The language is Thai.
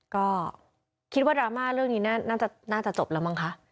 ก็คิดว่าดราม่าเรื่องนี้น่าจะจบแล้วมั้งคะ